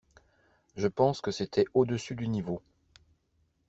Je pense que c'était au-dessus du niveau.